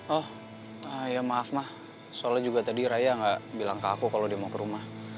oh ya maaf mah soalnya juga tadi raya nggak bilang ke aku kalau dia mau ke rumah